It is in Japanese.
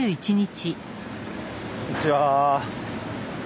こんにちは。